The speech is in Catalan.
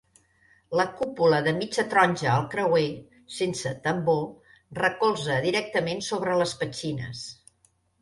La cúpula de mitja taronja al creuer, sense tambor, recolza directament sobre les petxines.